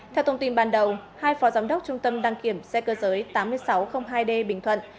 theo thông tin ban đầu hai phó giám đốc trung tâm đăng kiểm xe cơ giới tám nghìn sáu trăm linh hai d bình thuận